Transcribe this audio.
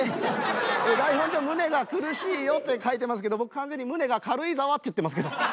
台本じゃ胸が苦しいよって書いてますけど僕完全に胸が軽井沢って言ってますけど。